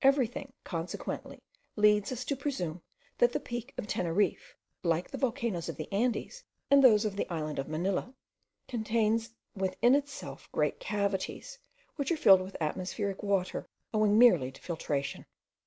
Everything consequently leads us to presume that the peak of Teneriffe, like the volcanoes of the Andes, and those of the island of Manilla, contains within itself great cavities, which are filled with atmospherical water, owing merely to filtration.